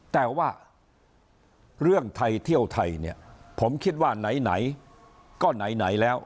แต่ว่าเรื่องไทยเที่ยวไทยเนี่ยผมคิดว่าไหนก็ไหนแล้ว